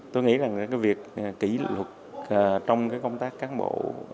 tôi nghĩ rằng cái việc kỷ luật trong cái công tác cán bộ